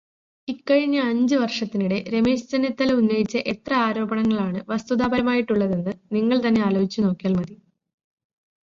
ഇക്കഴിഞ്ഞ അഞ്ച് വർഷത്തിനിടെ രമേശ് ചെന്നിത്തല ഉന്നയിച്ച എത്ര ആരോപണങ്ങളാണ് വസ്തുതാപരമായിട്ടുള്ളതെന്ന് നിങ്ങൾ തന്നെ ആലോചിച്ചു നോക്കിയാൽ മതി.